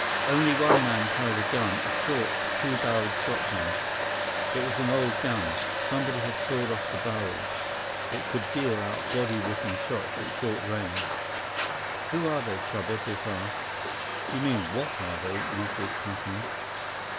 Only one man carried a gun, a short, two barreled shotgun. It was an old gun. Someone had sawed off the barrel. It could deal out body ripping shots at short range. "Who are they, Chuba?" Biff asked. "You mean what are they?" Muscles cut in.